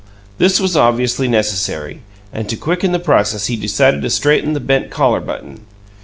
This was obviously necessary, and to quicken the process he decided to straighten the bent collar button.